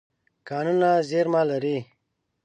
کانونه زیرمه لري.